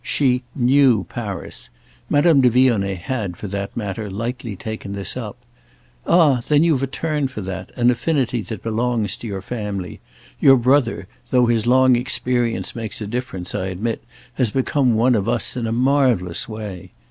She "knew Paris." Madame de Vionnet had, for that matter, lightly taken this up. "Ah then you've a turn for that, an affinity that belongs to your family. Your brother, though his long experience makes a difference, I admit, has become one of us in a marvellous way."